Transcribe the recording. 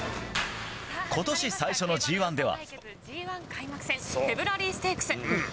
今年最初のＧ１では。